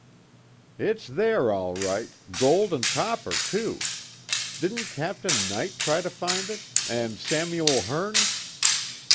"It's there, all right gold and copper, too. Didn't Captain Knight try to find it? And Samuel Hearne?"